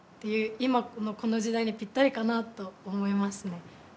今のこの時代にぴったりかなと思いますね。